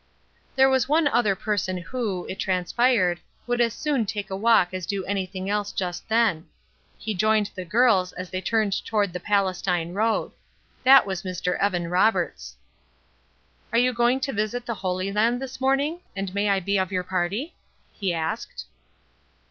There was one other person who, it transpired, would as soon take a walk as do anything else just then. He joined the girls as they turned toward the Palestine road. That was Mr. Evan Roberts. "Are you going to visit the Holy Land this morning, and may I be of your party?" he asked.